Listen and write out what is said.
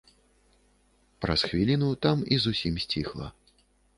Праз хвіліну там і зусім сціхла.